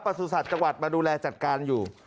ประสุนศาษฐ์จังหวัดมาดูแลจัดการอยู่